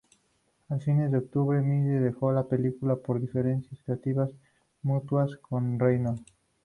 A fines de octubre, Miller dejó la película por "diferencias creativas mutuas" con Reynolds.